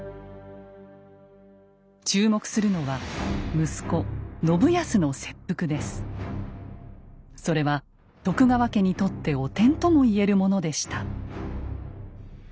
注目するのはそれは徳川家にとって汚点とも言えるものでした。